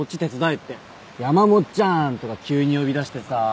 「やまもっちゃん」とか急に呼びだしてさ。